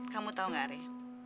kamu tau gak re